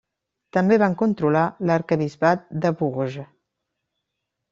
També van controlar l'arquebisbat de Bourges.